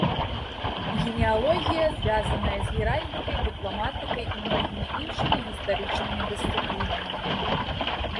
Генеалогія звязаная з геральдыкай, дыпламатыкай і многімі іншымі гістарычнымі дысцыплінамі.